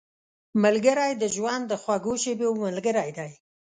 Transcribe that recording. ملګری د ژوند د خوږو شېبو ملګری دی